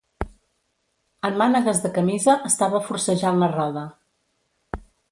En mànegues de camisa estava forcejant la roda